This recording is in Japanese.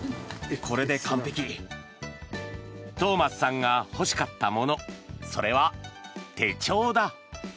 トーマスさんが欲しかったものそれは手帳だ。